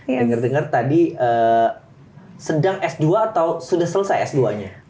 saya dengar dengar tadi sedang s dua atau sudah selesai s dua nya